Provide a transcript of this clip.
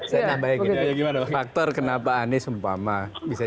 jadi saya nambahin faktor kenapa anies umpama bisa jadi gubernur